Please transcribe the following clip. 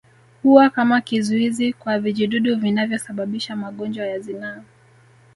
Huwa kama kizuizi kwa vijidudu vinavyosababisha magonjwa ya zinaa